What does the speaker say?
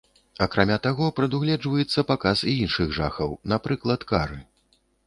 Акрамя таго прадугледжваецца паказ і іншых жахаў, напрыклад, кары.